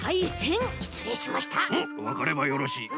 うんわかればよろしい。